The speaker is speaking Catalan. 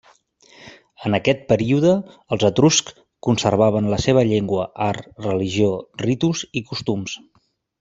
En aquest període, els etruscs conservaven la seva llengua, art, religió, ritus i costums.